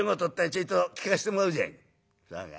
ちょいと聞かせてもらおうじゃねえ」。